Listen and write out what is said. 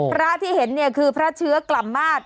พระที่เห็นเนี่ยคือพระเชื้อกล่ำมาตร